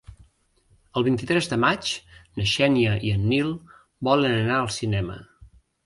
El vint-i-tres de maig na Xènia i en Nil volen anar al cinema.